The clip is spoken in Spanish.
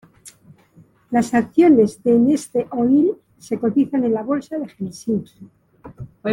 Las acciones de Neste Oil se cotizan en la Bolsa de Helsinki.